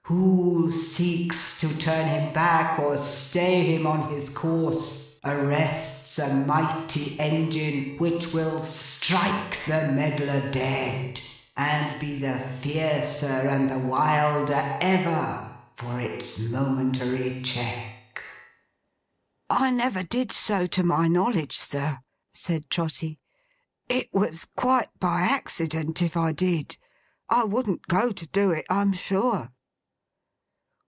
Who seeks to turn him back, or stay him on his course, arrests a mighty engine which will strike the meddler dead; and be the fiercer and the wilder, ever, for its momentary check!' 'I never did so to my knowledge, sir,' said Trotty. 'It was quite by accident if I did. I wouldn't go to do it, I'm sure.